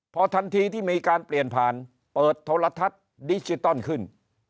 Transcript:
พอทันทีที่มีการเปลี่ยนผ่านเปิดโทรทัศน์ดิจิตอลขึ้น